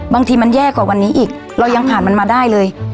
บางทีมันแย่กว่าวันนี้อีกเรายังผ่านมันมาได้เลย